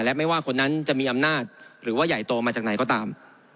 และไม่ว่าคนนั้นจะมีอำนาจหรือว่าใหญ่โตมาจากไหนก็ตาม